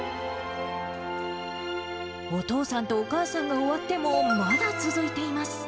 お父さんとお母さんが終わっても、まだ続いています。